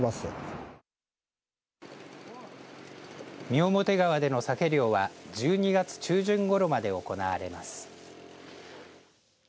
三面川でのさけ漁は１２月中旬ごろまで行われます。